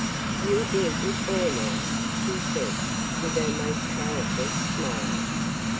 "You'll be a good boy now," she said, with her most powerful smile.